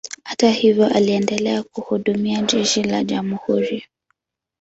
Hata hivyo, aliendelea kuhudumia jeshi la jamhuri.